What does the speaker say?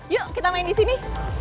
yuk kita main di sini